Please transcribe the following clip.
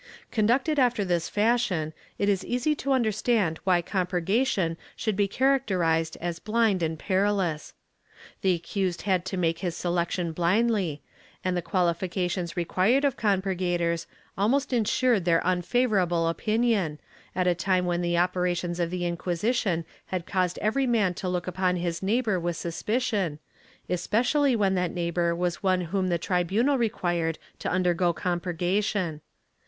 ^ Conducted after this fashion it is easy to understand why com purgation should be characterized as blind and perilous. The ^ Pablo Garcia, Orden de Processar, fol. 69 72. Chap. I] COMPURGATION 119 accused had to make his selection blindly, and the qualifications required of conjurators almost insured their unfavorable opinion, at a time when the operations of the Inquisition had caused every man to look upon his neighbor with suspicion, especially when that neighbor was one whom the tribunal required to undergo compurgation.